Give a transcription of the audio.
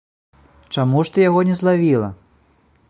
Чаму ж ты яго не злавіла?